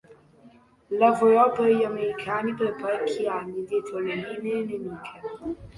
Lavorò per gli americani per parecchi anni dietro le linee nemiche.